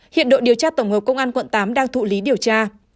hiện đội điều tra tổng hợp công an quận tám đang thụ lý điều tra